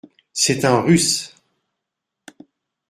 C’est un Russe !